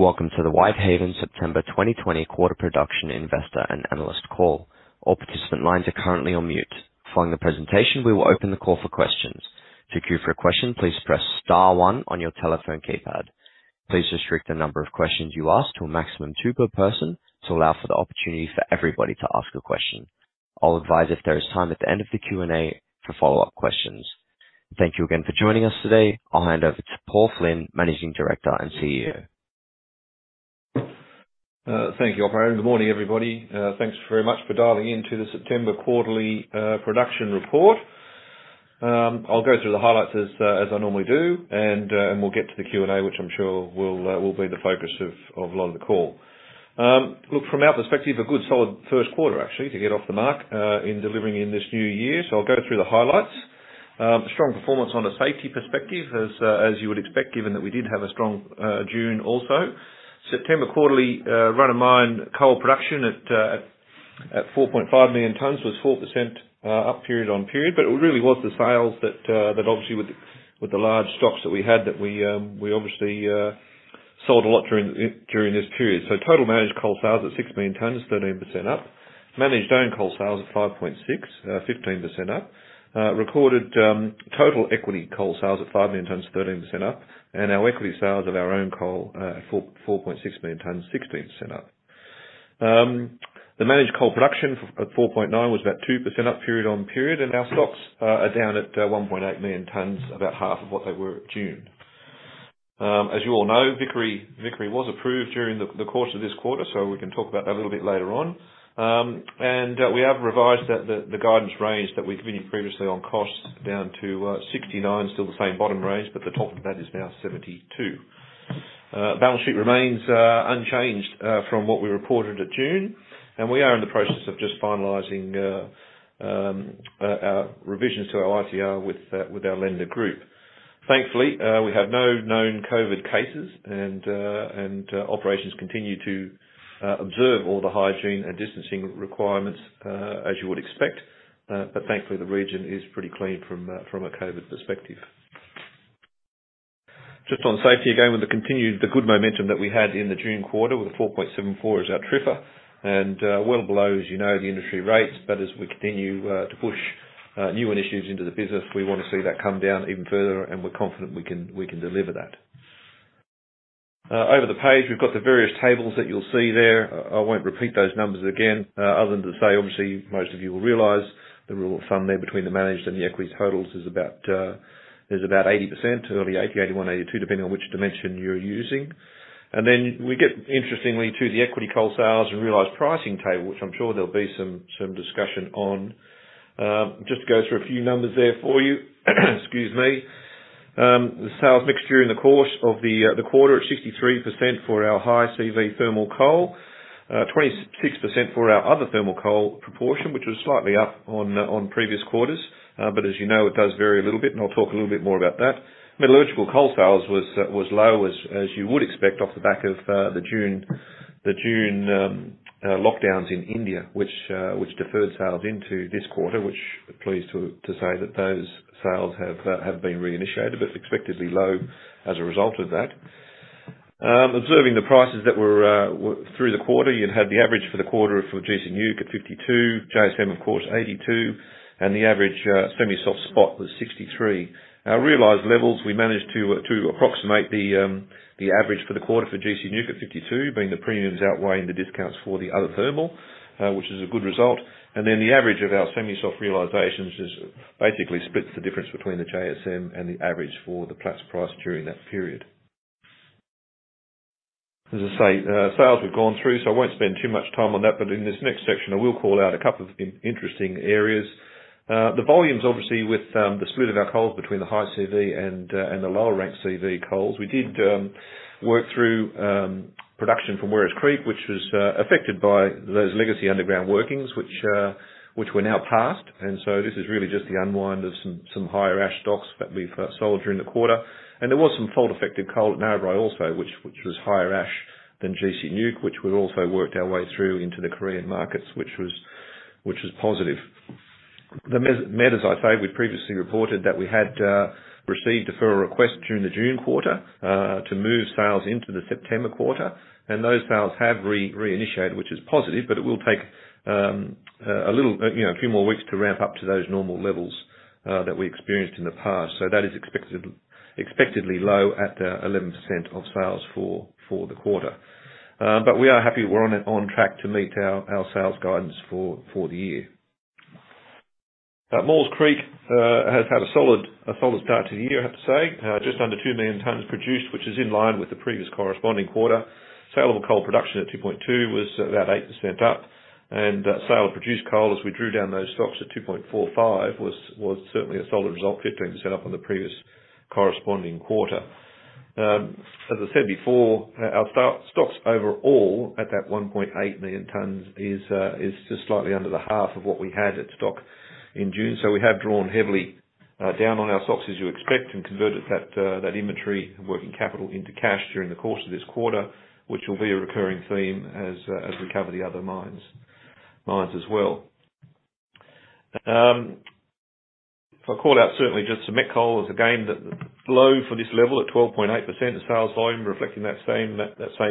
Welcome to the Whitehaven September 2020 Quarter Production Investor and Analyst Call. All participant lines are currently on mute. Following the presentation, we will open the call for questions. To queue for a question, please press star one on your telephone keypad. Please restrict the number of questions you ask to a maximum of two per person to allow for the opportunity for everybody to ask a question. I'll advise if there is time at the end of the Q&A for follow-up questions. Thank you again for joining us today. I'll hand over to Paul Flynn, Managing Director and CEO. Thank you, Operator. Good morning, everybody. Thanks very much for dialing in to the September Quarterly Production Report. I'll go through the highlights as I normally do, and we'll get to the Q&A, which I'm sure will be the focus of a lot of the call. Look, from our perspective, a good solid first quarter, actually, to get off the mark in delivering in this new year. So I'll go through the highlights. Strong performance on a safety perspective, as you would expect, given that we did have a strong June also. September Quarterly run-of-mine coal production at 4.5 million tons was 4% up period on period, but it really was the sales that obviously, with the large stocks that we had, that we obviously sold a lot during this period. So total managed coal sales at 6 million tons, 13% up. Managed own coal sales at 5.6, 15% up. Recorded total equity coal sales at 5 million tons, 13% up. And our equity sales of our own coal at 4.6 million tons, 16% up. The managed coal production at 4.9 was about 2% up period on period, and our stocks are down at 1.8 million tons, about half of what they were at June. As you all know, Vickery was approved during the course of this quarter, so we can talk about that a little bit later on. And we have revised the guidance range that we've given you previously on costs down to 69, still the same bottom range, but the top of that is now 72. Balance sheet remains unchanged from what we reported at June, and we are in the process of just finalizing our revisions to our ICR with our lender group. Thankfully, we have no known COVID cases, and operations continue to observe all the hygiene and distancing requirements as you would expect, but thankfully, the region is pretty clean from a COVID perspective. Just on safety again, with the continued good momentum that we had in the June quarter, with a 4.74 as our, and well below, as you know, the industry rates, but as we continue to push new initiatives into the business, we want to see that come down even further, and we're confident we can deliver that. Over the page, we've got the various tables that you'll see there. I won't repeat those numbers again, other than to say, obviously, most of you will realize the rule of thumb there between the managed and the equity totals is about 80%, early 80, 81, 82, depending on which dimension you're using. And then we get, interestingly, to the export coal sales and realized pricing table, which I'm sure there'll be some discussion on. Just to go through a few numbers there for you, excuse me. The sales mixture during the course of the quarter at 63% for our high CV thermal coal, 26% for our other thermal coal proportion, which was slightly up on previous quarters, but as you know, it does vary a little bit, and I'll talk a little bit more about that. Metallurgical coal sales was low, as you would expect, off the back of the June lockdowns in India, which deferred sales into this quarter, which I'm pleased to say that those sales have been reinitiated, but expectedly low as a result of that. Observing the prices that were through the quarter, you'd had the average for the quarter for gC NEWC at $52, JSM, of course, $82, and the average semi-soft spot was $63. Now, realized levels, we managed to approximate the average for the quarter for gC NEWC at $52, being the premiums outweighing the discounts for the other thermal, which is a good result. And then the average of our semi-soft realizations just basically splits the difference between the JSM and the average for the Platts price during that period. As I say, sales we've gone through, so I won't spend too much time on that, but in this next section, I will call out a couple of interesting areas. The volumes, obviously, with the split of our coals between the high CV and the lower rank CV coals. We did work through production from Werris Creek, which was affected by those legacy underground workings, which were now passed, and so this is really just the unwind of some higher ash stocks that we've sold during the quarter, and there was some fault-affected coal at Narrabri also, which was higher ash than gC NEWC, which we also worked our way through into the Korean markets, which was positive. The met, as I say, we previously reported that we had received a further request during the June quarter to move sales into the September quarter, and those sales have reinitiated, which is positive, but it will take a few more weeks to ramp up to those normal levels that we experienced in the past, so that is expectedly low at 11% of sales for the quarter. But we are happy we're on track to meet our sales guidance for the year. Maules Creek has had a solid start to the year, I have to say, just under 2 million tons produced, which is in line with the previous corresponding quarter. Sale of coal production at 2.2 was about 8% up, and sale of produced coal, as we drew down those stocks at 2.45, was certainly a solid result, 15% up on the previous corresponding quarter. As I said before, our stocks overall at that 1.8 million tons is just slightly under the half of what we had at stock in June, so we have drawn heavily down on our stocks, as you expect, and converted that inventory of working capital into cash during the course of this quarter, which will be a recurring theme as we cover the other mines as well. If I call out, certainly just some met coal, there's a gap at that low for this level at 12.8%, the sales volume reflecting that same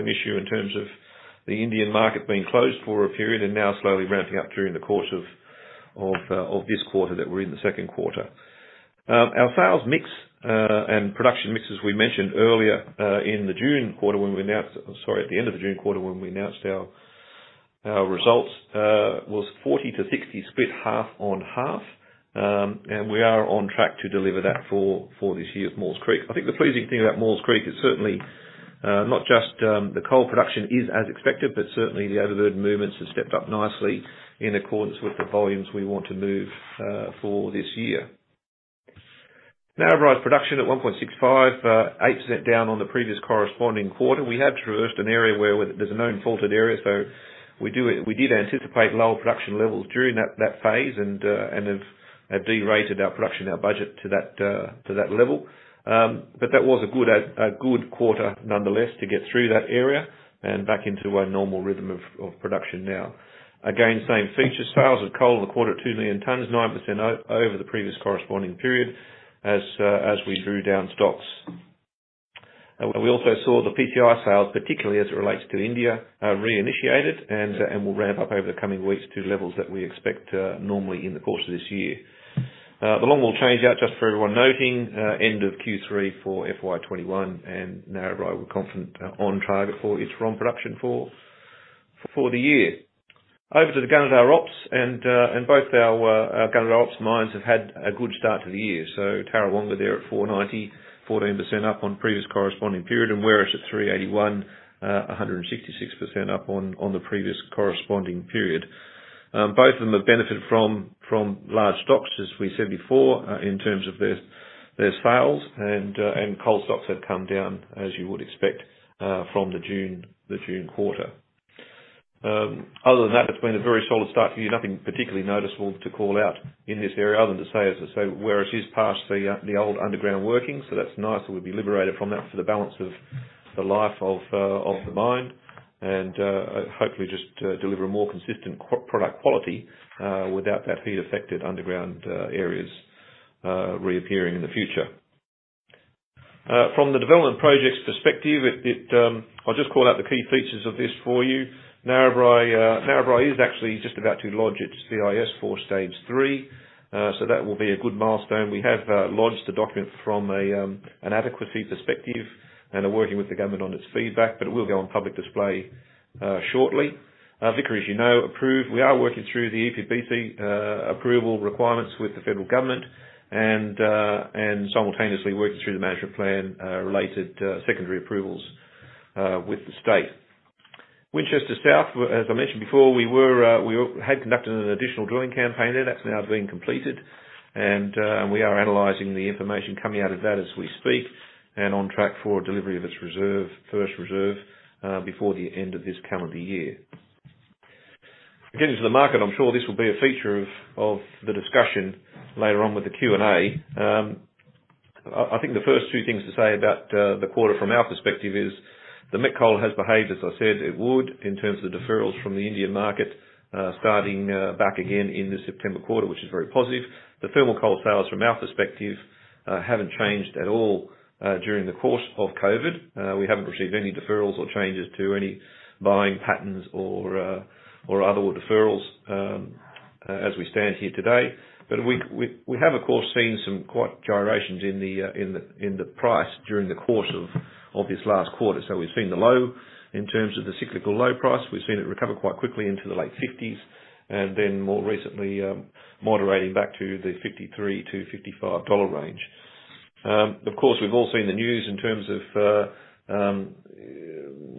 issue in terms of the Indian market being closed for a period and now slowly ramping up during the course of this quarter that we're in, the second quarter. Our sales mix and production mix, as we mentioned earlier in the June quarter, when we announced, sorry, at the end of the June quarter, when we announced our results, was 40%-60% split half on half, and we are on track to deliver that for this year at Maules Creek. I think the pleasing thing about Maules Creek is certainly not just the coal production is as expected, but certainly the overburden movements have stepped up nicely in accordance with the volumes we want to move for this year. Narrabri's production at 1.65, 8% down on the previous corresponding quarter. We have traversed an area where there's a known faulted area, so we did anticipate lower production levels during that phase and have derated our production budget to that level. But that was a good quarter, nonetheless, to get through that area and back into a normal rhythm of production now. Again, same features. Sales of coal in the quarter at 2 million tons, 9% over the previous corresponding period as we drew down stocks. We also saw the PCI sales, particularly as it relates to India, reinitiated and will ramp up over the coming weeks to levels that we expect normally in the course of this year. The Longwall changeout, just for everyone noting, end of Q3 for FY 2021, and Narrabri were confident on target for its raw production for the year. Over to the Gunnedah Ops, and both our Gunnedah Ops mines have had a good start to the year. So Tarrawonga there at 490, 14% up on previous corresponding period, and Werris Creek at 381, 166% up on the previous corresponding period. Both of them have benefited from large stocks, as we said before, in terms of their sales, and coal stocks have come down, as you would expect, from the June quarter. Other than that, it's been a very solid start to the year. Nothing particularly noticeable to call out in this area, other than to say, as I say, Werris Creek is past the old underground working, so that's nice that we've been liberated from that for the balance of the life of the mine, and hopefully just deliver a more consistent product quality without that heat-affected underground areas reappearing in the future. From the development project's perspective, I'll just call out the key features of this for you. Narrabri is actually just about to lodge its EIS for stage three, so that will be a good milestone. We have lodged the document from an adequacy perspective and are working with the government on its feedback, but it will go on public display shortly. Vickery, as you know, approved. We are working through the EPBC approval requirements with the federal government and simultaneously working through the management plan-related secondary approvals with the state. Winchester South, as I mentioned before, we had conducted an additional drilling campaign there. That's now being completed, and we are analyzing the information coming out of that as we speak and on track for delivery of its first reserve before the end of this calendar year. Getting to the market, I'm sure this will be a feature of the discussion later on with the Q&A. I think the first two things to say about the quarter from our perspective is the met coal has behaved, as I said, it would, in terms of the deferrals from the Indian market starting back again in the September quarter, which is very positive. The thermal coal sales, from our perspective, haven't changed at all during the course of COVID. We haven't received any deferrals or changes to any buying patterns or other deferrals as we stand here today. But we have, of course, seen some quite gyrations in the price during the course of this last quarter. So we've seen the low in terms of the cyclical low price. We've seen it recover quite quickly into the late 50s and then, more recently, moderating back to the $53-$55 range. Of course, we've all seen the news in terms of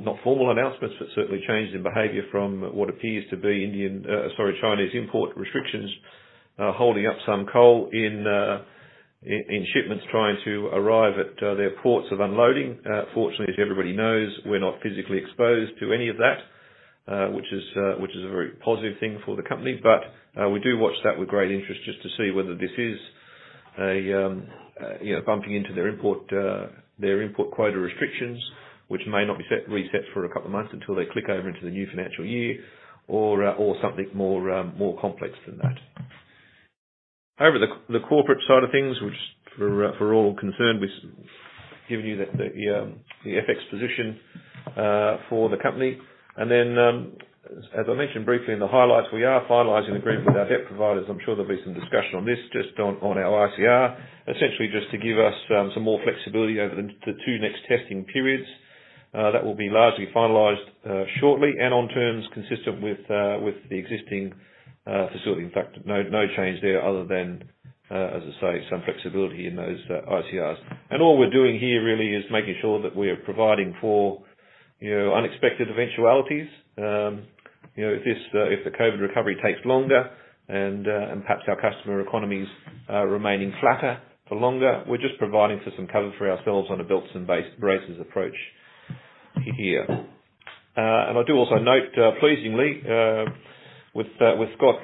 not formal announcements, but certainly changes in behavior from what appears to be Indian, sorry, Chinese, import restrictions holding up some coal in shipments trying to arrive at their ports of unloading. Fortunately, as everybody knows, we're not physically exposed to any of that, which is a very positive thing for the company. But we do watch that with great interest just to see whether this is a bumping into their import quota restrictions, which may not be reset for a couple of months until they click over into the new financial year or something more complex than that. Over the corporate side of things, which for all concerned, we've given you the FX position for the company. And then, as I mentioned briefly in the highlights, we are finalizing agreement with our debt providers. I'm sure there'll be some discussion on this just on our ICR, essentially just to give us some more flexibility over the two next testing periods. That will be largely finalized shortly and on terms consistent with the existing facility. In fact, no change there other than, as I say, some flexibility in those ICRs. And all we're doing here really is making sure that we are providing for unexpected eventualities. If the COVID recovery takes longer and perhaps our customer economies are remaining flatter for longer, we're just providing for some cover for ourselves on a belt and braces approach here. And I do also note, pleasingly, with Scott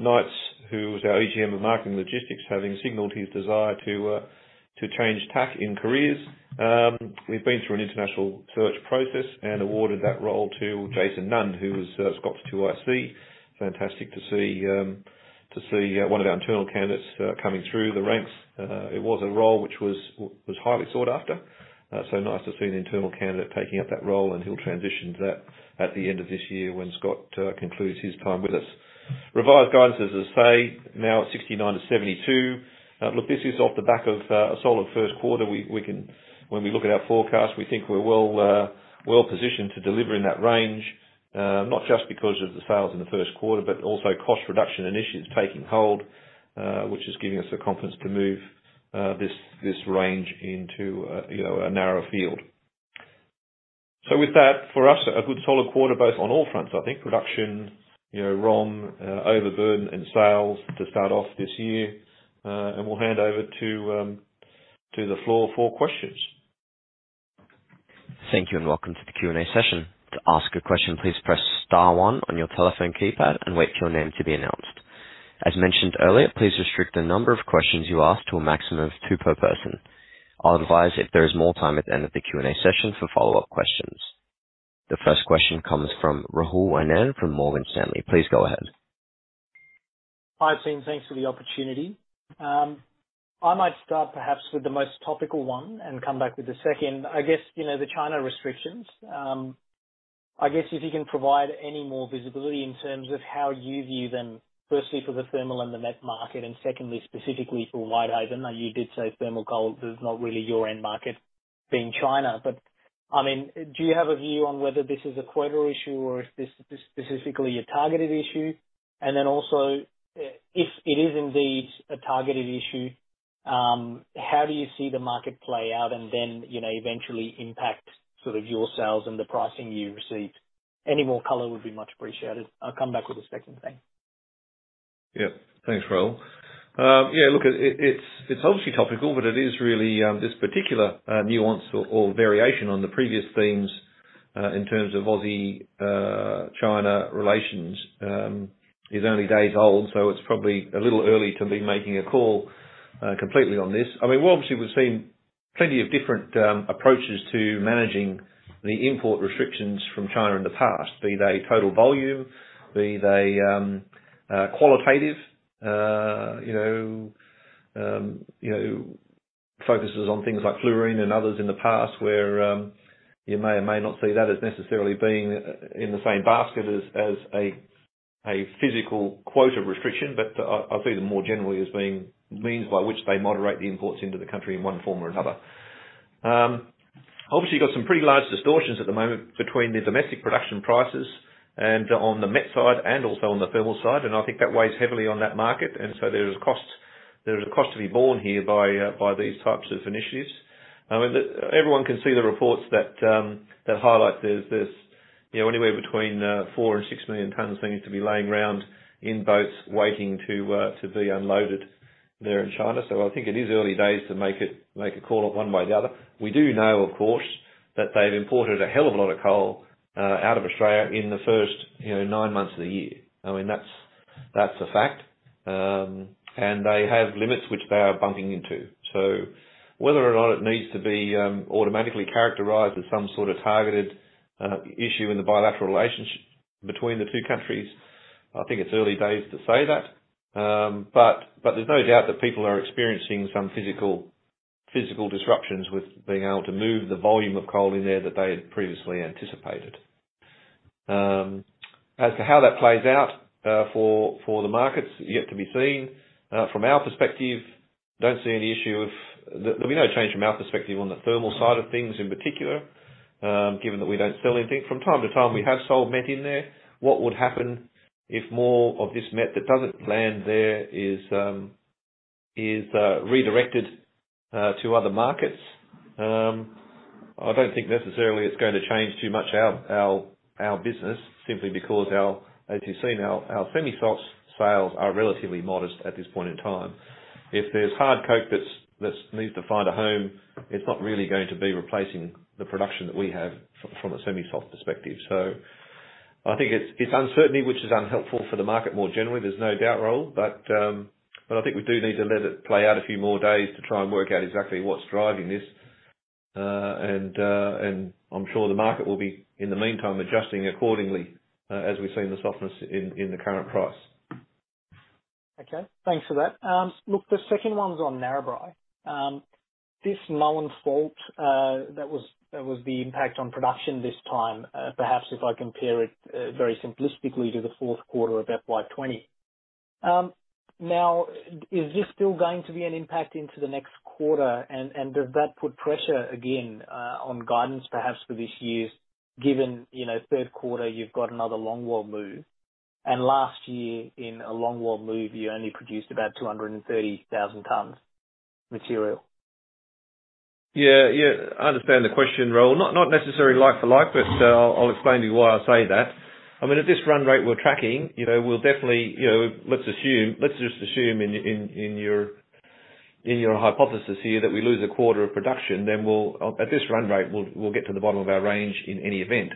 Knight, who was our AGM of marketing logistics, having signaled his desire to change tack in careers. We've been through an international search process and awarded that role to Jason Nunn, who was Scott's 2IC. Fantastic to see one of our internal candidates coming through the ranks. It was a role which was highly sought after, so nice to see an internal candidate taking up that role, and he'll transition to that at the end of this year when Scott concludes his time with us. Revised guidance, as I say, now at 69-72. Look, this is off the back of a solid first quarter. When we look at our forecast, we think we're well positioned to deliver in that range, not just because of the sales in the first quarter, but also cost reduction initiatives taking hold, which is giving us the confidence to move this range into a narrower field. So with that, for us, a good solid quarter, both on all fronts, I think: production, ROM, overburden, and sales to start off this year. And we'll hand over to the floor for questions. Thank you and welcome to the Q&A session. To ask a question, please press star one on your telephone keypad and wait for your name to be announced. As mentioned earlier, please restrict the number of questions you ask to a maximum of two per person. I'll advise if there is more time at the end of the Q&A session for follow-up questions. The first question comes from Rahul Anand from Morgan Stanley. Please go ahead. Hi, Team. Thanks for the opportunity. I might start perhaps with the most topical one and come back with the second. I guess the China restrictions, I guess if you can provide any more visibility in terms of how you view them, firstly for the thermal and the met market, and secondly, specifically for Whitehaven. You did say thermal coal is not really your end market being China. But I mean, do you have a view on whether this is a quota issue or if this is specifically a targeted issue? And then also, if it is indeed a targeted issue, how do you see the market play out and then eventually impact sort of your sales and the pricing you receive? Any more color would be much appreciated. I'll come back with the second thing. Yeah. Thanks, Rahul. Yeah, look, it's obviously topical, but it is really this particular nuance or variation on the previous themes in terms of Aussie-China relations is only days old, so it's probably a little early to be making a call completely on this. I mean, we've obviously seen plenty of different approaches to managing the import restrictions from China in the past, be they total volume, be they qualitative focuses on things like fluorine and others in the past, where you may or may not see that as necessarily being in the same basket as a physical quota restriction, but I see them more generally as being means by which they moderate the imports into the country in one form or another. Obviously, you've got some pretty large distortions at the moment between the domestic production prices on the met side and also on the thermal side, and I think that weighs heavily on that market, and so there's a cost to be borne here by these types of initiatives. Everyone can see the reports that highlight there's anywhere between four and six million tons that need to be laying around in boats waiting to be unloaded there in China. So I think it is early days to make a call one way or the other. We do know, of course, that they've imported a hell of a lot of coal out of Australia in the first nine months of the year. I mean, that's a fact, and they have limits which they are bumping into. So whether or not it needs to be automatically characterized as some sort of targeted issue in the bilateral relationship between the two countries, I think it's early days to say that. But there's no doubt that people are experiencing some physical disruptions with being able to move the volume of coal in there that they had previously anticipated. As to how that plays out for the markets, yet to be seen. From our perspective, don't see any issue. There'll be no change from our perspective on the thermal side of things in particular, given that we don't sell anything. From time to time, we have sold met in there. What would happen if more of this met that doesn't land there is redirected to other markets? I don't think necessarily it's going to change too much our business simply because our, as you've seen, our semi-softs sales are relatively modest at this point in time. If there's hard coking that needs to find a home, it's not really going to be replacing the production that we have from a semi-softs perspective. So I think it's uncertainty, which is unhelpful for the market more generally. There's no doubt, Rahul, but I think we do need to let it play out a few more days to try and work out exactly what's driving this. And I'm sure the market will be, in the meantime, adjusting accordingly as we've seen the softness in the current price. Okay. Thanks for that. Look, the second one's on Narrabri. This known fault, that was the impact on production this time, perhaps if I compare it very simplistically to the fourth quarter of FY 2020. Now, is this still going to be an impact into the next quarter, and does that put pressure again on guidance perhaps for this year's, given third quarter you've got another longwall move? And last year, in a longwall move, you only produced about 230,000 tons of material. Yeah. Yeah. I understand the question, Rahul. Not necessarily like for like, but I'll explain to you why I say that. I mean, at this run rate we're tracking, we'll definitely. Let's just assume in your hypothesis here that we lose a quarter of production, then at this run rate we'll get to the bottom of our range in any event.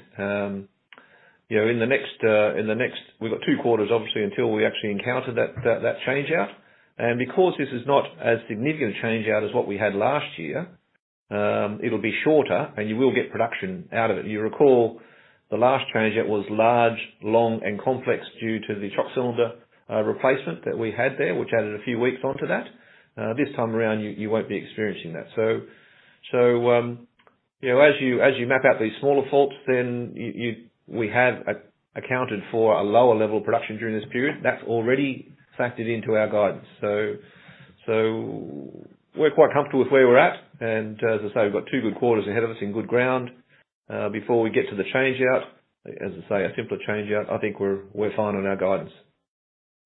In the next, we've got two quarters, obviously, until we actually encounter that changeout. And because this is not as significant a changeout as what we had last year, it'll be shorter, and you will get production out of it. You recall the last changeout was large, long, and complex due to the choke cylinder replacement that we had there, which added a few weeks onto that. This time around, you won't be experiencing that. So as you map out these smaller faults, then we have accounted for a lower level of production during this period. That's already factored into our guidance. So we're quite comfortable with where we're at. And as I say, we've got two good quarters ahead of us in good ground before we get to the changeout. As I say, a simpler changeout, I think we're fine on our guidance.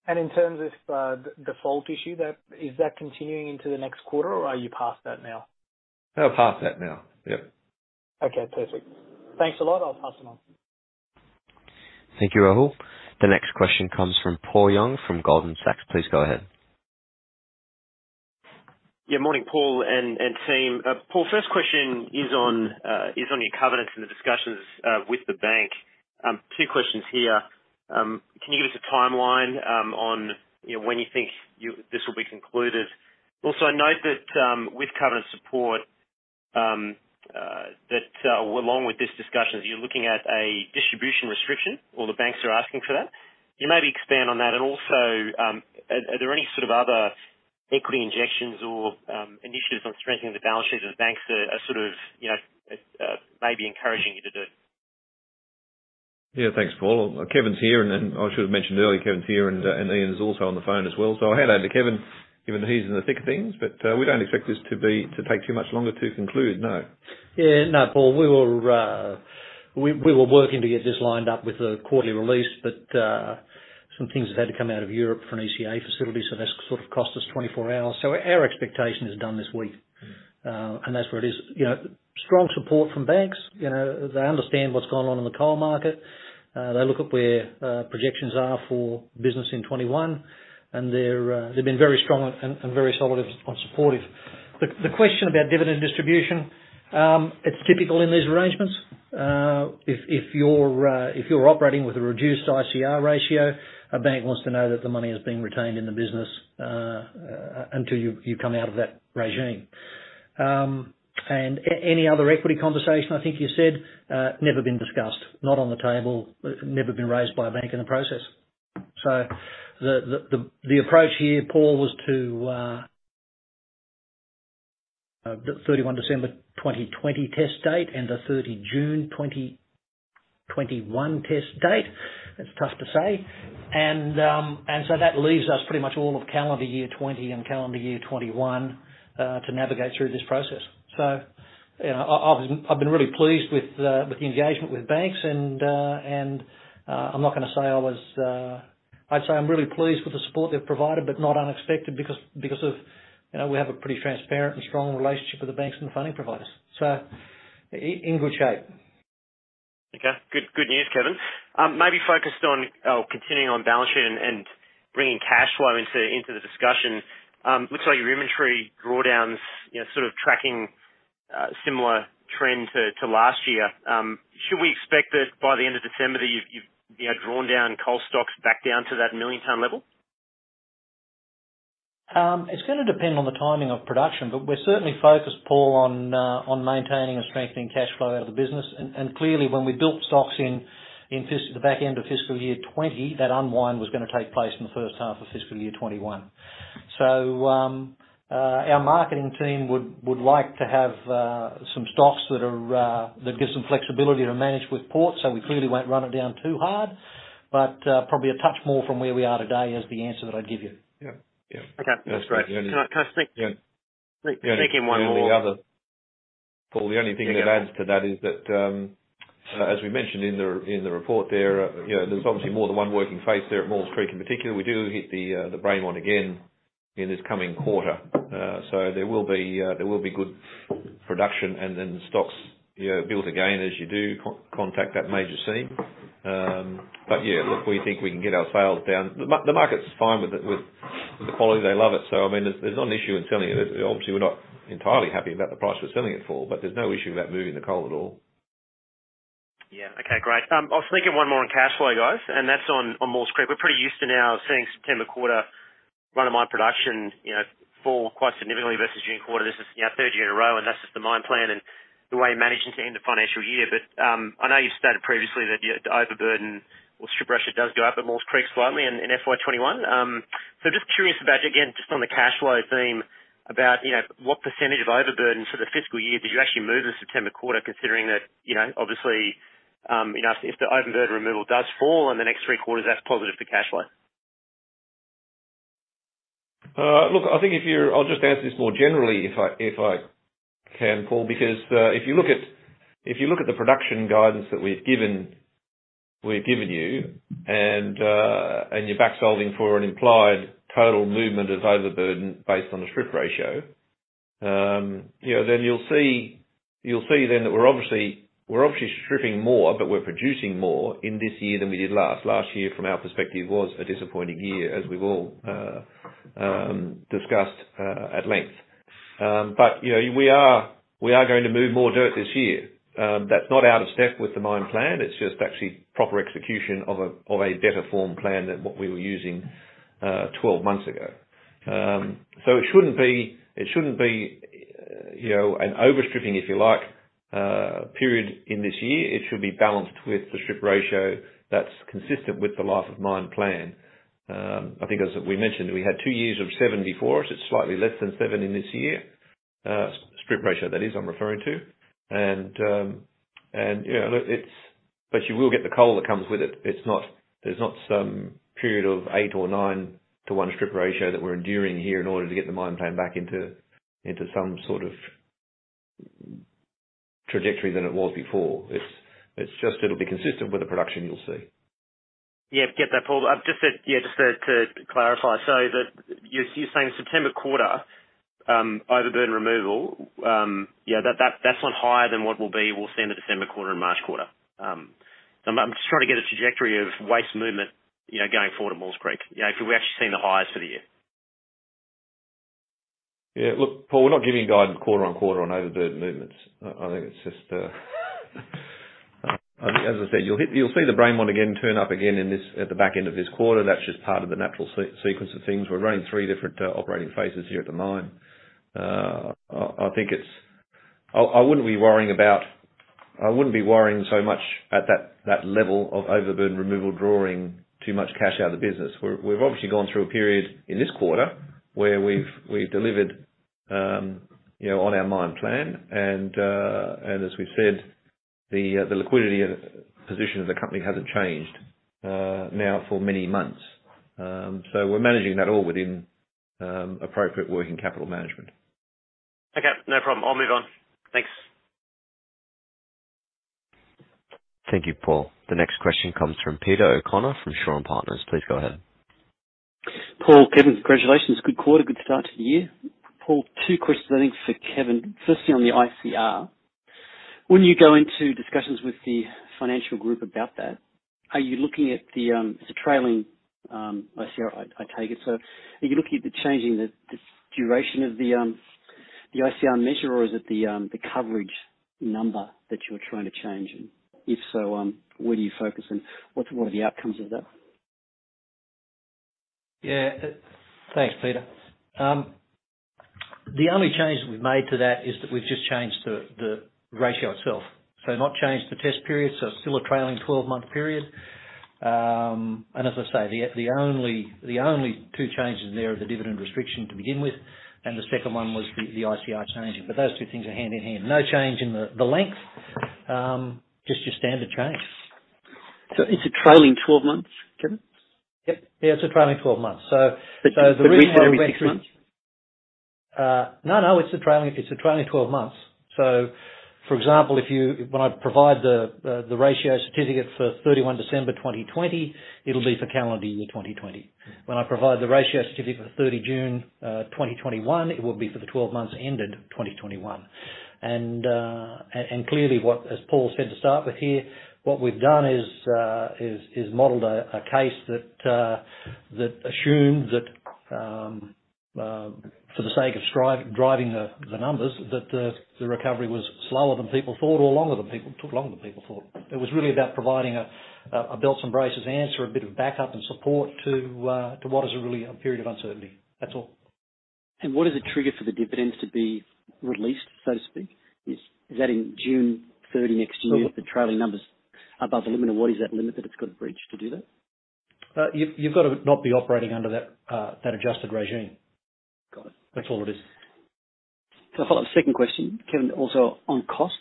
In terms of the fault issue, is that continuing into the next quarter, or are you past that now? We're past that now. Yep. Okay. Perfect. Thanks a lot. I'll pass it on. Thank you, Rahul. The next question comes from Paul Young from Goldman Sachs. Please go ahead. Yeah. Morning, Paul and Team. Paul, first question is on your covenants and the discussions with the bank. Two questions here. Can you give us a timeline on when you think this will be concluded? Also, I note that with covenant support, that along with this discussion, you're looking at a distribution restriction, or the banks are asking for that. Can you maybe expand on that? And also, are there any sort of other equity injections or initiatives on strengthening the balance sheet of the banks that are sort of maybe encouraging you to do? Yeah. Thanks, Paul. Kevin's here, and then I should have mentioned earlier, Kevin's here, and Ian is also on the phone as well. So I'll hand over to Kevin, given he's in the thick of things. But we don't expect this to take too much longer to conclude, no. Yeah. No, Paul. We were working to get this lined up with a quarterly release, but some things have had to come out of Europe for an ECA facility, so that's sort of cost us 24 hours. So our expectation is done this week, and that's where it is. Strong support from banks. They understand what's going on in the coal market. They look at where projections are for business in 2021, and they've been very strong and very supportive. The question about dividend distribution, it's typical in these arrangements. If you're operating with a reduced ICR ratio, a bank wants to know that the money is being retained in the business until you come out of that regime and any other equity conversation, I think you said, never been discussed, not on the table, never been raised by a bank in the process. The approach here, Paul, was to the 31 December 2020 test date and the 30 June 2021 test date. It's tough to say, and so that leaves us pretty much all of calendar year 2020 and calendar year 2021 to navigate through this process, so I've been really pleased with the engagement with banks, and I'm not going to say I was, I'd say I'm really pleased with the support they've provided, but not unexpected because we have a pretty transparent and strong relationship with the banks and the funding providers, so in good shape. Okay. Good news, Kevin. Maybe focused on continuing on balance sheet and bringing cash flow into the discussion. Looks like your inventory drawdowns are sort of tracking a similar trend to last year. Should we expect that by the end of December that you've drawn down coal stocks back down to that million-ton level? It's going to depend on the timing of production, but we're certainly focused, Paul, on maintaining and strengthening cash flow out of the business. And clearly, when we built stocks in the back end of fiscal year 2020, that unwind was going to take place in the first half of fiscal year 2021. So our marketing team would like to have some stocks that give some flexibility to manage with ports, so we clearly won't run it down too hard. But probably a touch more from where we are today is the answer that I'd give you. Yeah. Yeah. Okay. That's great. Can I sneak in one more? Yeah. Paul, the only thing that adds to that is that, as we mentioned in the report there, there's obviously more than one working face there at Maules Creek in particular. We do hit the main one again in this coming quarter. So there will be good production, and then stocks build again as you do contact that major seam. But yeah, look, we think we can get our sales down. The market's fine with the quality. They love it. So I mean, there's not an issue in selling it. Obviously, we're not entirely happy about the price we're selling it for, but there's no issue about moving the coal at all. Yeah. Okay. Great. I'll sneak in one more on cash flow, guys, and that's on Maules Creek. We're pretty used to now seeing September quarter run-of-mine production fall quite significantly versus June quarter. This is now third year in a row, and that's just the mine plan and the way you're managing to end the financial year. But I know you've stated previously that the overburden or strip pressure does go up at Maules Creek slightly in FY 2021. So just curious about, again, just on the cash flow theme, about what percentage of overburden for the fiscal year did you actually move in September quarter, considering that obviously if the overburden removal does fall in the next three quarters, that's positive for cash flow? Look, I think if you're, I'll just answer this more generally if I can, Paul, because if you look at the production guidance that we've given you and you're back-solving for an implied total movement of overburden based on the strip ratio, then you'll see then that we're obviously stripping more, but we're producing more in this year than we did last. Last year, from our perspective, was a disappointing year, as we've all discussed at length. But we are going to move more dirt this year. That's not out of step with the mine plan. It's just actually proper execution of a better-form plan than what we were using 12 months ago. So it shouldn't be an overstripping, if you like, period in this year. It should be balanced with the strip ratio that's consistent with the life-of-mine plan. I think, as we mentioned, we had two years of seven before us. It's slightly less than seven in this year. Strip ratio, that is, I'm referring to. And look, it's, but you will get the coal that comes with it. It's not some period of eight or nine-to-one strip ratio that we're enduring here in order to get the mine plan back into some sort of trajectory that it was before. It's just it'll be consistent with the production you'll see. Yeah. Get that, Paul. Yeah. Just to clarify, so you're saying September quarter overburden removal, yeah, that's on higher than what we'll see in the December quarter and March quarter. So I'm just trying to get a trajectory of waste movement going forward at Maules Creek, if we're actually seeing the highest for the year? Yeah. Look, Paul, we're not giving guidance quarter on quarter on overburden movements. I think it's just—I think, as I said, you'll see the Braymont one again turn up again at the back end of this quarter. That's just part of the natural sequence of things. We're running three different operating phases here at the mine. I think it's—I wouldn't be worrying about—I wouldn't be worrying so much at that level of overburden removal drawing too much cash out of the business. We've obviously gone through a period in this quarter where we've delivered on our mine plan. And as we've said, the liquidity position of the company hasn't changed now for many months. So we're managing that all within appropriate working capital management. Okay. No problem. I'll move on. Thanks. Thank you, Paul. The next question comes from Peter O'Connor from Shaw and Partners. Please go ahead. Paul, Kevin, congratulations. Good quarter. Good start to the year. Paul, two questions, I think, for Kevin. Firstly, on the ICR. When you go into discussions with the financial group about that, are you looking at the, it's a trailing ICR, I take it. So are you looking at changing the duration of the ICR measure, or is it the coverage number that you're trying to change? And if so, where do you focus? And what are the outcomes of that? Yeah. Thanks, Peter. The only change that we've made to that is that we've just changed the ratio itself. So, not changed the test period, so it's still a trailing 12-month period. And as I say, the only two changes there are the dividend restriction to begin with, and the second one was the ICR changing. But those two things are hand in hand. No change in the length, just your standard change. So it's a trailing 12 months, Kevin? Yep. Yeah. It's a trailing 12 months. So the rate's every six months. So the rate's every six months? No, no. It's a trailing 12 months. So for example, when I provide the ratio certificate for 31 December 2020, it'll be for calendar year 2020. When I provide the ratio certificate for 30 June 2021, it will be for the 12 months ended 2021. And clearly, as Paul said to start with here, what we've done is modeled a case that assumed that, for the sake of driving the numbers, the recovery was slower than people thought or longer than people thought. It was really about providing a belt and braces answer, a bit of backup and support to what is really a period of uncertainty. That's all. What is the trigger for the dividends to be released, so to speak? Is that in June 30 next year with the trailing numbers above the limit? Or what is that limit that it's got to breach to do that? You've got to not be operating under that adjusted regime. Got it. That's all it is. So I'll follow up. Second question, Kevin, also on costs.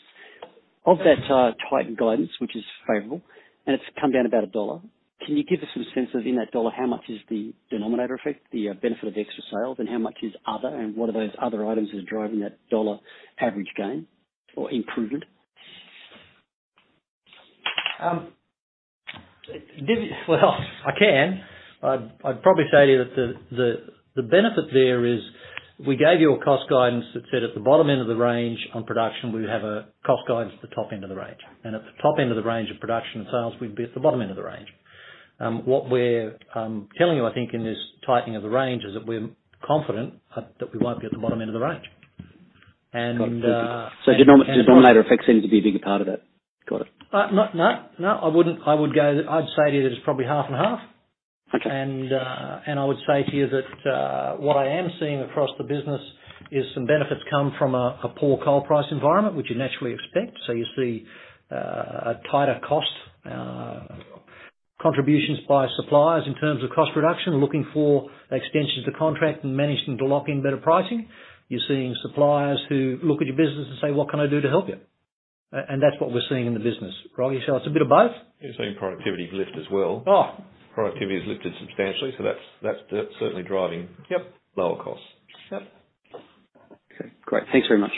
Of that tightened guidance, which is favorable, and it's come down about a dollar, can you give us some sense of, in that dollar, how much is the denominator effect, the benefit of extra sales, and how much is other, and what are those other items that are driving that dollar average gain or improvement? Well, I can. I'd probably say to you that the benefit there is we gave you a cost guidance that said at the bottom end of the range on production, we would have a cost guidance at the top end of the range. And at the top end of the range of production and sales, we'd be at the bottom end of the range. What we're telling you, I think, in this tightening of the range is that we're confident that we won't be at the bottom end of the range. And. So denominator effect seems to be a bigger part of that. Got it. No. No. I would say to you that it's probably half and half, and I would say to you that what I am seeing across the business is some benefits come from a poor coal price environment, which you naturally expect, so you see a tighter cost contributions by suppliers in terms of cost reduction, looking for extensions to contract and managing to lock in better pricing. You're seeing suppliers who look at your business and say, "What can I do to help you?", and that's what we're seeing in the business, right, so it's a bit of both. You're seeing productivity lift as well. Productivity has lifted substantially, so that's certainly driving lower costs. Yep. Okay. Great. Thanks very much.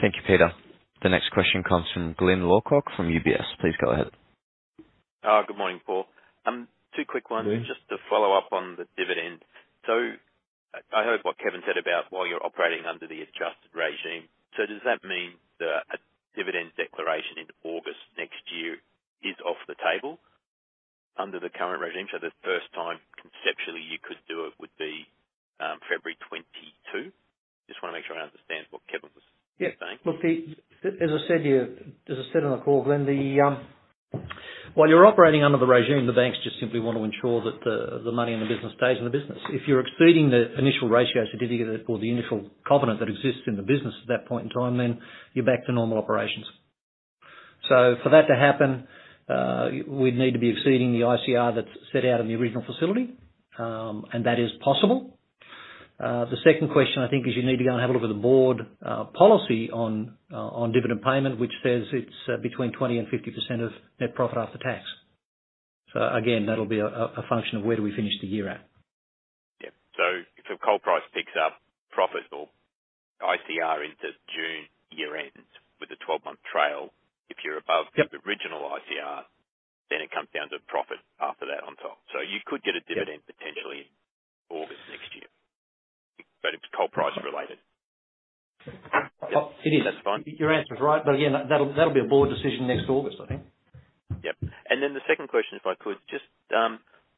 Thank you, Peter. The next question comes from Glyn Lawcock from UBS. Please go ahead. Good morning, Paul. Two quick ones. Good. Just to follow up on the dividend. So I heard what Kevin said about while you're operating under the adjusted regime. So does that mean that a dividend declaration in August next year is off the table under the current regime? So the first time conceptually you could do it would be February 2022? Just want to make sure I understand what Kevin was saying. Yeah. Look, as I said to you, as I said on the call, Glyn, while you're operating under the regime, the banks just simply want to ensure that the money in the business stays in the business. If you're exceeding the initial ratio certificate or the initial covenant that exists in the business at that point in time, then you're back to normal operations. So for that to happen, we'd need to be exceeding the ICR that's set out in the original facility, and that is possible. The second question, I think, is you need to go and have a look at the board policy on dividend payment, which says it's between 20% and 50% of net profit after tax. So again, that'll be a function of where do we finish the year at. Yeah. So if the coal price picks up, profit's ICR into June year-end with a 12-month trail. If you're above the original ICR, then it comes down to profit after that on top. So you could get a dividend potentially in August next year, but it's coal price related. It is. That's fine. Your answer's right. But again, that'll be a board decision next August, I think. Yep. And then the second question, if I could, just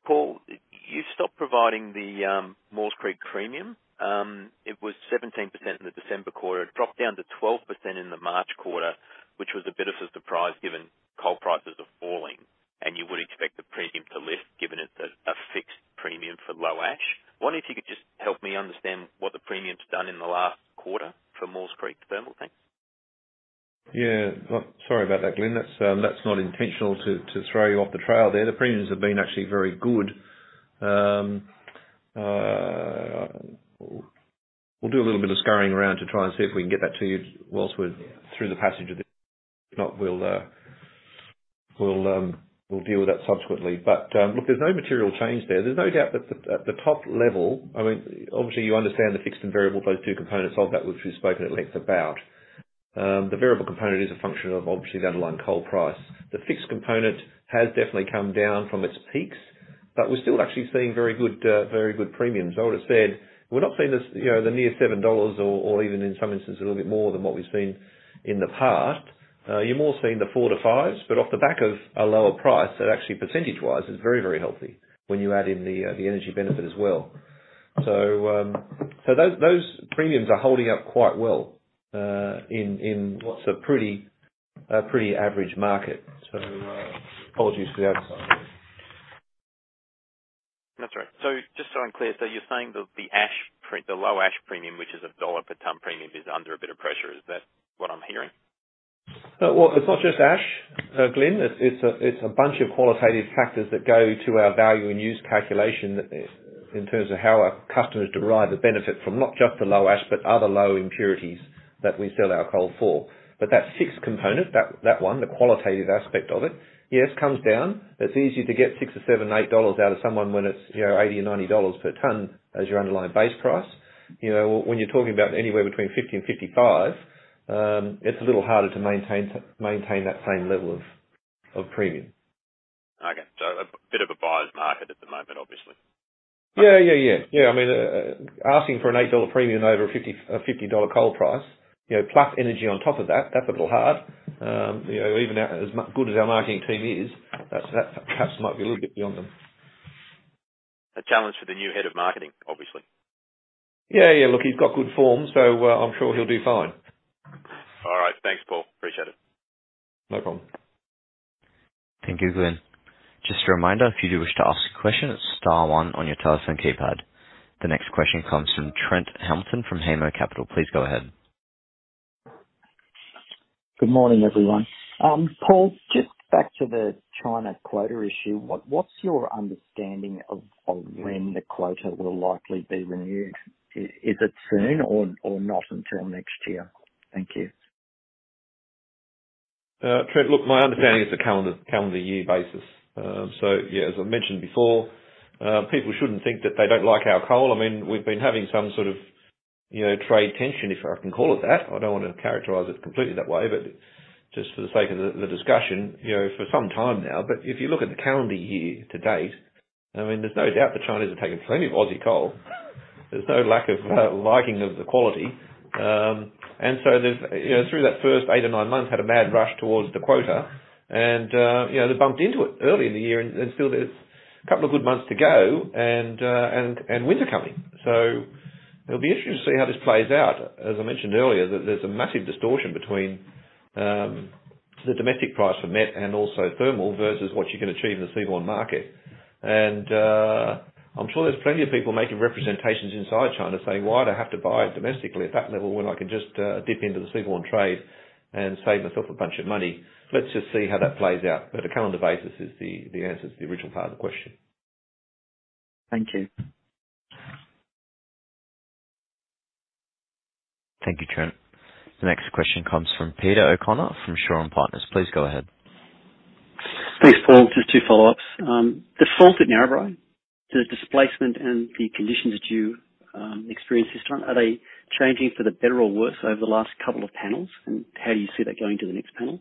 Paul, you stopped providing the Maules Creek premium. It was 17% in the December quarter. It dropped down to 12% in the March quarter, which was a bit of a surprise given coal prices are falling, and you would expect the premium to lift given it's a fixed premium for low ash. I wonder if you could just help me understand what the premium's done in the last quarter for Maules Creek thermal coal. Yeah. Sorry about that, Glyn. That's not intentional to throw you off the trail there. The premiums have been actually very good. We'll do a little bit of scurrying around to try and see if we can get that to you whilst we're through the passage of this. If not, we'll deal with that subsequently. But look, there's no material change there. There's no doubt that at the top level, I mean, obviously, you understand the fixed and variable, those two components of that which we've spoken at length about. The variable component is a function of, obviously, the underlying coal price. The fixed component has definitely come down from its peaks, but we're still actually seeing very good premiums. I would have said we're not seeing the near $7 or even, in some instances, a little bit more than what we've seen in the past. You're more seeing the 4-5s, but off the back of a lower price that actually, percentage-wise, is very, very healthy when you add in the energy benefit as well. So those premiums are holding up quite well in what's a pretty average market. So apologies for the outside. That's all right. So just so I'm clear, so you're saying that the low ash premium, which is a $1 per ton premium, is under a bit of pressure. Is that what I'm hearing? It's not just ash, Glyn. It's a bunch of qualitative factors that go to our value in use calculation in terms of how our customers derive the benefit from not just the low ash, but other low impurities that we sell our coal for. But that fixed component, that one, the qualitative aspect of it, yes, comes down. It's easy to get $6 or $7, $8 out of someone when it's $80 or $90 per ton as your underlying base price. When you're talking about anywhere between $50 and $55, it's a little harder to maintain that same level of premium. Okay. So a bit of a buyer's market at the moment, obviously. I mean, asking for an $8 premium over a $50 coal price, plus energy on top of that, that's a little hard. Even as good as our marketing team is, that perhaps might be a little bit beyond them. A challenge for the new head of marketing, obviously. Yeah. Yeah. Look, he's got good form, so I'm sure he'll do fine. All right. Thanks, Paul. Appreciate it. No problem. Thank you, Glyn. Just a reminder, if you do wish to ask a question, it's star one on your telephone keypad. The next question comes from Trent Hamilton from Hammo Capital. Please go ahead. Good morning, everyone. Paul, just back to the China quota issue. What's your understanding of when the quota will likely be renewed? Is it soon or not until next year? Thank you. Trent, look, my understanding is a calendar year basis. So yeah, as I mentioned before, people shouldn't think that they don't like our coal. I mean, we've been having some sort of trade tension, if I can call it that. I don't want to characterize it completely that way, but just for the sake of the discussion, for some time now. But if you look at the calendar year to date, I mean, there's no doubt the Chinese are taking plenty of Aussie coal. There's no lack of liking of the quality. And so through that first eight or nine months, had a mad rush towards the quota, and they bumped into it early in the year. And still, there's a couple of good months to go, and winter coming. So it'll be interesting to see how this plays out. As I mentioned earlier, there's a massive distortion between the domestic price for met and also thermal versus what you can achieve in the seaborne market. And I'm sure there's plenty of people making representations inside China saying, "Why do I have to buy it domestically at that level when I can just dip into the seaborne trade and save myself a bunch of money?" Let's just see how that plays out. But a calendar basis is the answer to the original part of the question. Thank you. Thank you, Trent. The next question comes from Peter O'Connor from Shaw and Partners. Please go ahead. Thanks, Paul. Just two follow-ups. The fault at Narrabri, the displacement and the conditions that you experienced this time, are they changing for the better or worse over the last couple of panels? And how do you see that going to the next panel?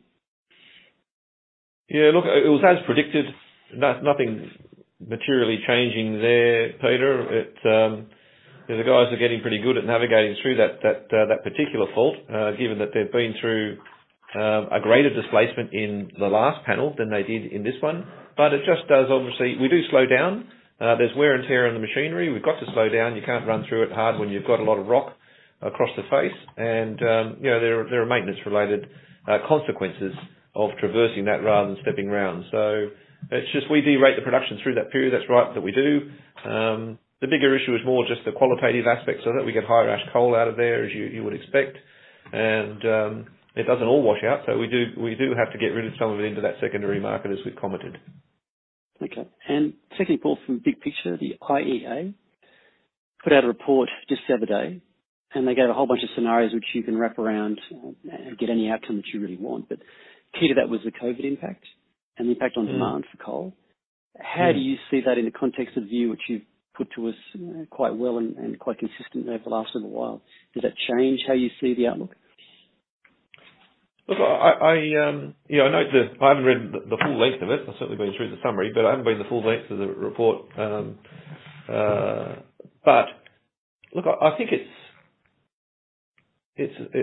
Yeah. Look, it was as predicted. Nothing materially changing there, Peter. The guys are getting pretty good at navigating through that particular fault, given that they've been through a greater displacement in the last panel than they did in this one. But it just does. Obviously, we do slow down. There's wear and tear on the machinery. We've got to slow down. You can't run through it hard when you've got a lot of rock across the face. And there are maintenance-related consequences of traversing that rather than stepping around. So it's just we derate the production through that period. That's right that we do. The bigger issue is more just the qualitative aspects of it. We get higher ash coal out of there, as you would expect. And it doesn't all wash out. So we do have to get rid of some of it into that secondary market, as we've commented. Okay. And secondly, Paul, from Big Picture, the IEA put out a report just the other day, and they gave a whole bunch of scenarios which you can wrap around and get any outcome that you really want. But key to that was the COVID impact and the impact on demand for coal. How do you see that in the context of the view which you've put to us quite well and quite consistent over the last little while? Does that change how you see the outlook? Look, I know that I haven't read the full length of it. I've certainly been through the summary, but I haven't been the full length of the report. But look, I think it's,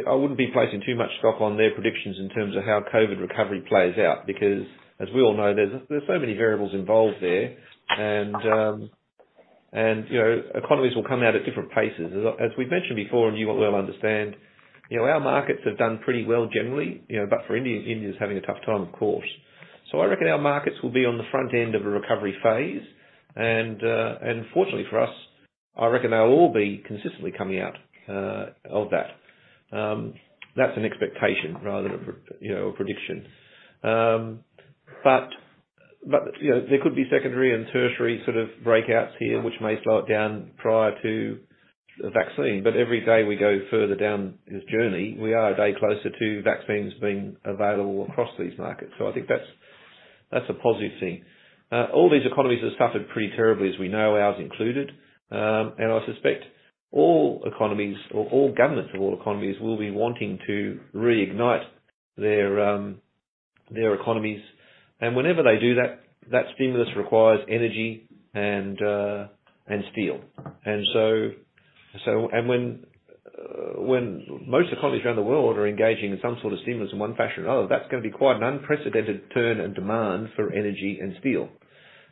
I wouldn't be placing too much stock on their predictions in terms of how COVID recovery plays out because, as we all know, there's so many variables involved there, and economies will come out at different paces. As we've mentioned before, and you will well understand, our markets have done pretty well generally, but for India, India's having a tough time, of course, so I reckon our markets will be on the front end of a recovery phase, and fortunately for us, I reckon they'll all be consistently coming out of that. That's an expectation rather than a prediction. But there could be secondary and tertiary sort of breakouts here, which may slow it down prior to the vaccine. But every day we go further down this journey, we are a day closer to vaccines being available across these markets. So I think that's a positive thing. All these economies have suffered pretty terribly, as we know, ours included. And I suspect all economies or all governments of all economies will be wanting to reignite their economies. And whenever they do that, that stimulus requires energy and steel. And when most economies around the world are engaging in some sort of stimulus in one fashion or another, that's going to be quite an unprecedented turn in demand for energy and steel.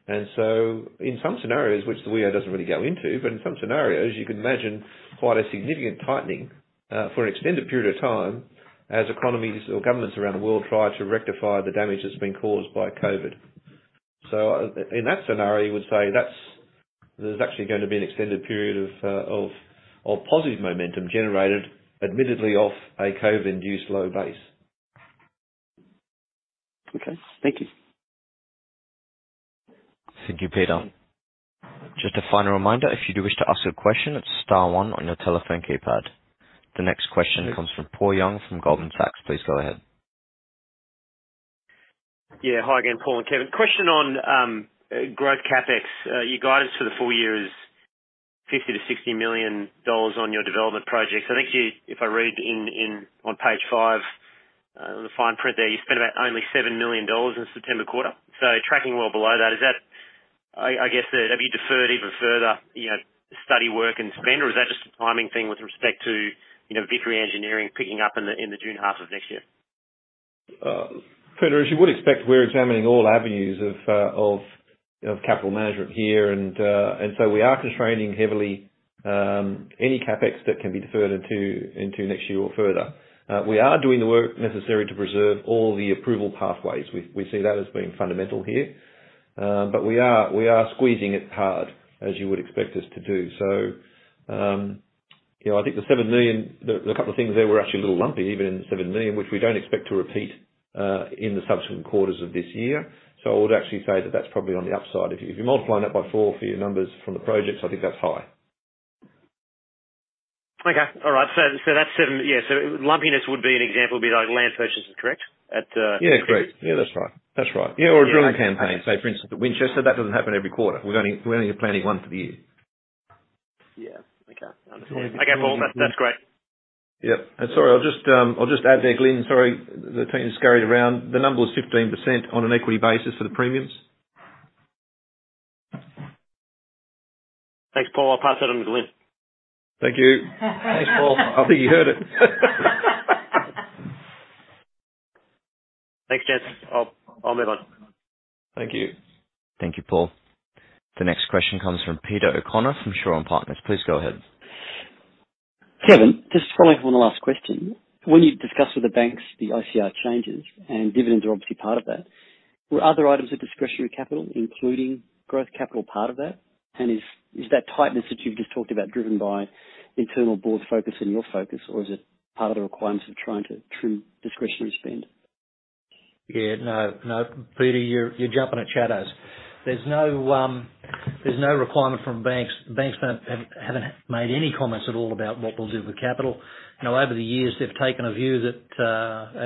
And so in some scenarios, which the WEO doesn't really go into, but in some scenarios, you can imagine quite a significant tightening for an extended period of time as economies or governments around the world try to rectify the damage that's been caused by COVID. So in that scenario, you would say there's actually going to be an extended period of positive momentum generated, admittedly, off a COVID-induced low base. Okay. Thank you. Thank you, Peter. Just a final reminder, if you do wish to ask a question, it's star one on your telephone keypad. The next question comes from Paul Young from Goldman Sachs. Please go ahead. Yeah. Hi again, Paul and Kevin. Question on growth CapEx. Your guidance for the full year is 50 million-60 million dollars on your development projects. I think if I read on page five, on the fine print there, you spent about only 7 million dollars in September quarter. So tracking well below that, is that I guess, have you deferred even further study, work, and spend, or is that just a timing thing with respect to Vickery engineering picking up in the June half of next year? Peter, as you would expect, we're examining all avenues of capital management here. And so we are constraining heavily any CapEx that can be deferred into next year or further. We are doing the work necessary to preserve all the approval pathways. We see that as being fundamental here. But we are squeezing it hard, as you would expect us to do. So I think the 7 million, the couple of things there were actually a little lumpy, even in the 7 million, which we don't expect to repeat in the subsequent quarters of this year. So I would actually say that that's probably on the upside. If you're multiplying that by four for your numbers from the projects, I think that's high. Okay. All right. So that's seven yeah. So lumpiness would be an example would be like land purchases, correct? Yeah. Correct. Yeah. That's right. That's right. Yeah. Or a drilling campaign, say, for instance, at Winchester. That doesn't happen every quarter. We're only planning one for the year. Yeah. Okay. Understood. Okay, Paul. That's great. Yep. And sorry, I'll just add there, Glyn. Sorry, the team's scurried around. The number was 15% on an equity basis for the premiums. Thanks, Paul. I'll pass that on to Flynn. Thank you. Thanks, Paul. I think you heard it. Thanks, gents. I'll move on. Thank you. Thank you, Paul. The next question comes from Peter O'Connor from Shaw and Partners. Please go ahead. Kevin, just following up on the last question. When you discuss with the banks the ICR changes and dividends are obviously part of that, were other items of discretionary capital, including growth capital, part of that? And is that tightness that you've just talked about driven by internal board focus and your focus, or is it part of the requirements of trying to trim discretionary spend? Yeah. No. No. Peter, you're jumping at shadows. There's no requirement from banks. Banks haven't made any comments at all about what we'll do with capital. Now, over the years, they've taken a view that,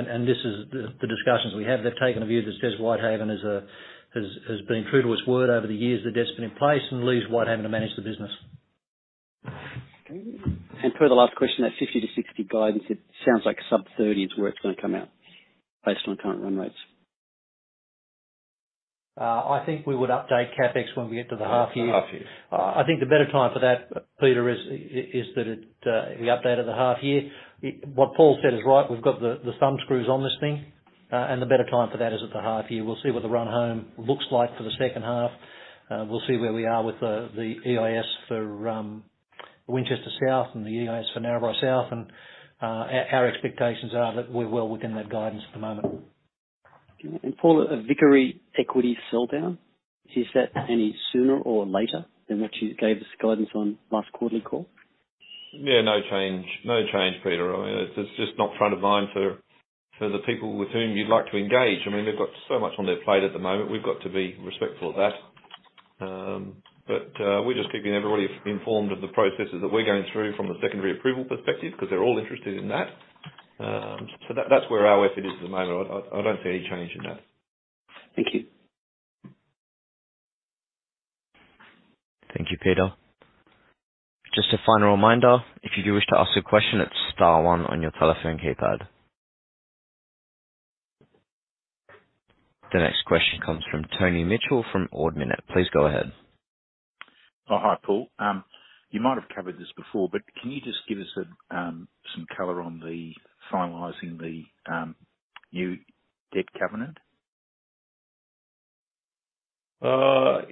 and this is the discussions we have, they've taken a view that says Whitehaven has been true to its word over the years that it's been in place and leaves Whitehaven to manage the business. For the last question, that 50-60 guidance, it sounds like sub-30 is where it's going to come out based on current run rates. I think we would update CapEx when we get to the half year. Half year. I think the better time for that, Peter, is that we update it the half year. What Paul said is right. We've got the thumbscrews on this thing, and the better time for that is at the half year. We'll see what the run home looks like for the second half. We'll see where we are with the TORs for Winchester South and the EIS for Narrabri South, and our expectations are that we're well within that guidance at the moment. Paul, a Vickery equity sell-down, is that any sooner or later than what you gave us guidance on last quarterly call? Yeah. No change. No change, Peter. I mean, it's just not front of mind for the people with whom you'd like to engage. I mean, they've got so much on their plate at the moment. We've got to be respectful of that. But we're just keeping everybody informed of the processes that we're going through from the secondary approval perspective because they're all interested in that. So that's where our effort is at the moment. I don't see any change in that. Thank you. Thank you, Peter. Just a final reminder, if you do wish to ask a question, it's star one on your telephone keypad. The next question comes from Tony Mitchell from Ord Minnett. Please go ahead. Hi, Paul. You might have covered this before, but can you just give us some color on the finalizing the new debt covenant?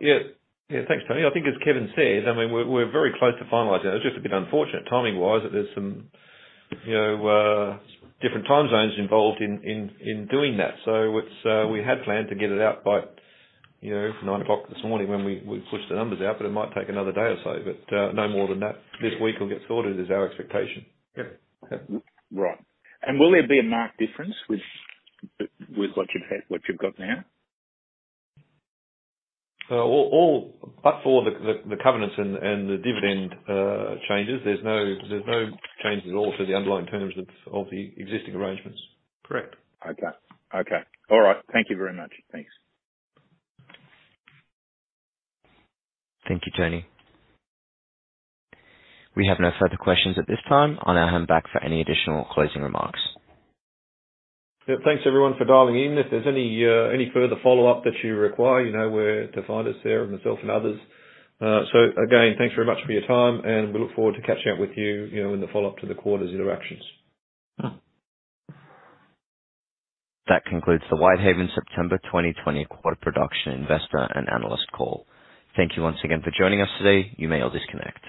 Yeah. Yeah. Thanks, Tony. I think, as Kevin said, I mean, we're very close to finalizing it. It's just a bit unfortunate, timing-wise, that there's some different time zones involved in doing that. So we had planned to get it out by 9:00A.M. this morning when we pushed the numbers out, but it might take another day or so, but no more than that. This week will get sorted, is our expectation. Yep. Yep. Right. And will there be a marked difference with what you've got now? But for the covenants and the dividend changes, there's no change at all to the underlying terms of the existing arrangements. Correct. Okay. All right. Thank you very much. Thanks. Thank you, Tony. We have no further questions at this time. I'll now hand back for any additional closing remarks. Yep. Thanks, everyone, for dialing in. If there's any further follow-up that you require, you know where to find us here, myself, and others. So again, thanks very much for your time, and we look forward to catching up with you in the follow-up to the quarter's interactions. That concludes the Whitehaven September 2020 quarter production investor and analyst call. Thank you once again for joining us today. You may all disconnect.